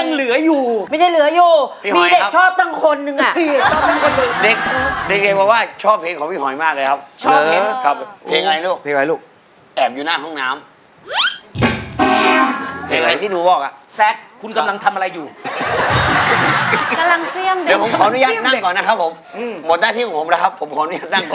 หมดได้ที่ของผมแล้วครับผมขออนุญาตนั่งก่อน